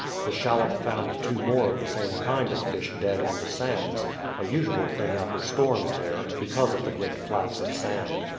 The shallop found two more of the same kind of fish dead on the sands, a usual thing after storms there, because of the great flats of sand.